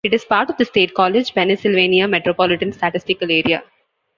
It is part of the State College, Pennsylvania Metropolitan Statistical Area.